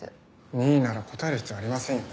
任意なら答える必要ありませんよね。